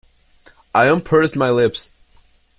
I unpursed my lips.